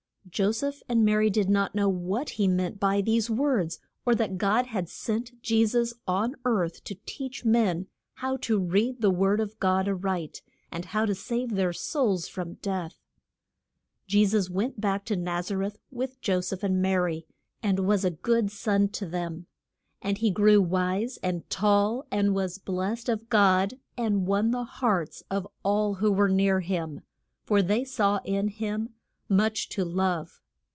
Jo seph and Ma ry did not know what he meant by these words, or that God had sent Je sus on earth to teach men how to read the word of God a right, and how to save their souls from death. Je sus went back to Naz a reth with Jo seph and Ma ry, and was a good son to them. And he grew wise and tall, and was blest of God, and won the hearts of all who were near him, for they saw in him much to love.